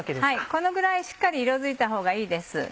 このぐらいしっかり色づいたほうがいいです。